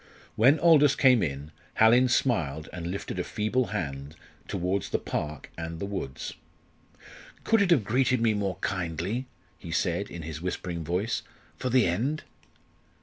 When Aldous came in, Hallin smiled and lifted a feeble hand towards the park and the woods. "Could it have greeted me more kindly," he said, in his whispering voice, "for the end?"